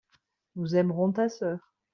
nous aimerons ta sœur.